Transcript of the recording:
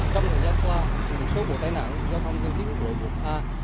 trong thời gian qua một số vụ tai nạn giao thông trên tuyến quốc lộ một a